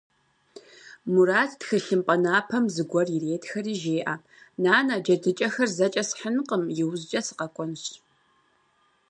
Мурат, тхылъымпӀэ напэм зыгуэр иретхэри, жеӀэ: - Нанэ, джэдыкӀэхэр зэкӀэ схьынкъым, иужькӀэ сыкъэкӀуэнщ.